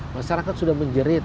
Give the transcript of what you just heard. masyarakat sudah menjerit